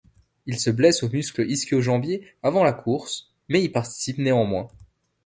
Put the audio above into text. Il se blesse aux muscles ischio-jambiers avant la course, mais y participe néanmoins.